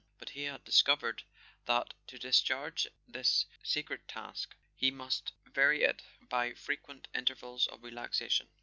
But he had discovered that to discharge this sacred task he must vary it by frequent in¬ tervals of relaxation.